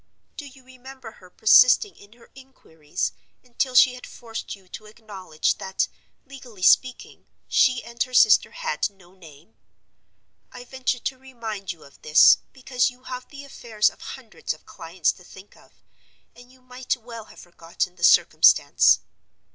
Do you remember her persisting in her inquiries, until she had forced you to acknowledge that, legally speaking, she and her sister had No Name? I venture to remind you of this, because you have the affairs of hundreds of clients to think of, and you might well have forgotten the circumstance.